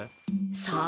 さあ？